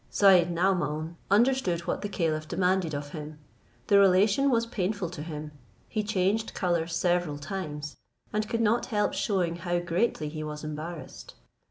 Syed Naomaun understood what the caliph demanded of him. The relation was painful to him. He changed colour several times, and could not help shewing how greatly he was embarrassed.